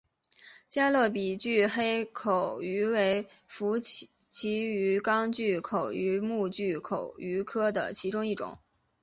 加勒比黑巨口鱼为辐鳍鱼纲巨口鱼目巨口鱼科的其中一种。